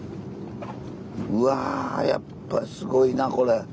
うわやっぱすごいなこれ。